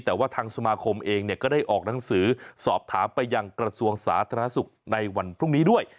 แต่ว่าทางสมาคมเองเนี่ยก็ได้ออกหนังสือสอบถามไปยังกระทรวงสาธารณสุขในวันพรุ่งนี้ด้วย